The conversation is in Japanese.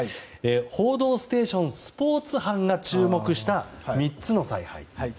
「報道ステーション」スポーツ班が注目した３つの采配。